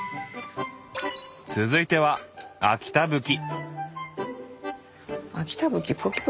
続いては秋田ぶき。